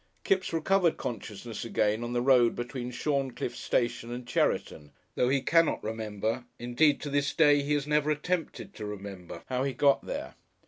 Kipps recovered consciousness again on the road between Shorncliffe Station and Cheriton, though he cannot remember, indeed to this day he has never attempted to remember, how he got there.